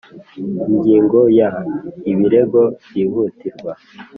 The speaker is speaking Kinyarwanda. Ingingo ya ibirego byihutirwa